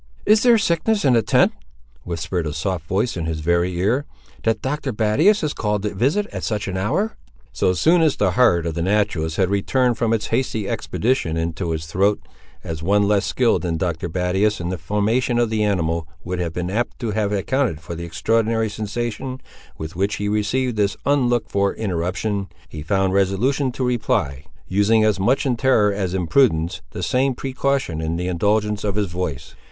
"Is there sickness in the tent," whispered a soft voice in his very ear, "that Dr. Battius is called to visit it at such an hour?" So soon as the heart of the naturalist had returned from its hasty expedition into his throat, as one less skilled than Dr. Battius in the formation of the animal would have been apt to have accounted for the extraordinary sensation with which he received this unlooked for interruption, he found resolution to reply; using, as much in terror as in prudence, the same precaution in the indulgence of his voice.